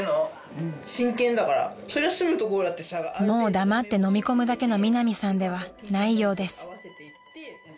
［もう黙ってのみ込むだけのミナミさんではないようです］